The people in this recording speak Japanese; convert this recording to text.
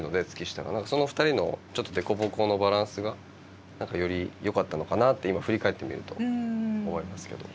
その二人のちょっとデコボコのバランスが何かよりよかったのかなって今振り返ってみると思いますけど。